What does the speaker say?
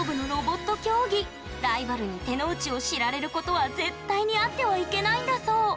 ライバルに手の内を知られることは絶対にあってはいけないんだそう